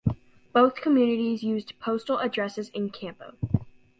Both communities use postal addresses in Campo.